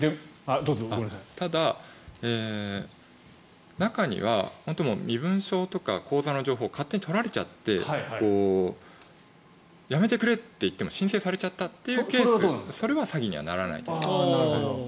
ただ、中には身分証とか口座の情報を勝手に取られちゃってやめてくれと言っても申請されちゃったというケースそれは詐欺にはならないです。